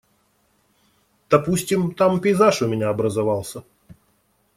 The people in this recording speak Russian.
Допустим, там пейзаж у меня образовался.